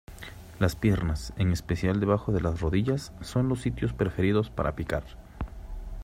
Las piernas, en especial debajo de las rodillas, son los sitios preferidos para picar.